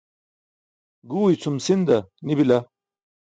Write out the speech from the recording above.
Guu icʰum sinda nibila